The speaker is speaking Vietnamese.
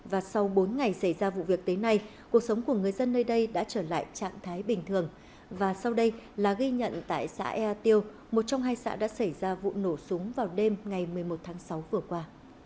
và sau bốn ngày xảy ra vụ việc tới nay cuộc sống của người dân nơi đây đã trở lại trạng thái bình thường và sau đây là ghi nhận tại xã ea tiêu một trong hai xã đã xảy ra vụ nổ súng vào đêm ngày một mươi một tháng sáu vừa qua